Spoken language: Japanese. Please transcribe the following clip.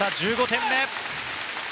１５点目。